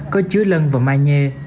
có chứa lân và manhê